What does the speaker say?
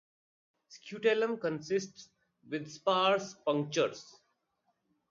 Scutellum consists with sparse punctures.